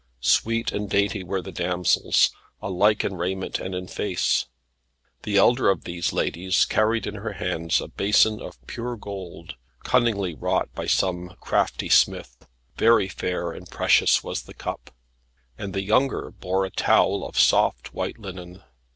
Sweet and dainty were the damsels, alike in raiment and in face. The elder of these ladies carried in her hands a basin of pure gold, cunningly wrought by some crafty smith very fair and precious was the cup; and the younger bore a towel of soft white linen.